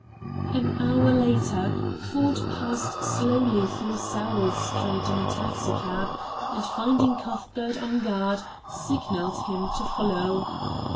An hour later Ford passed slowly through Sowell Street in a taxicab, and, finding Cuthbert on guard, signalled him to follow.